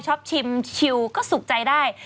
ชอบชิมชิวก็สุขใจได้